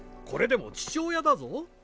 これでも父親だぞ。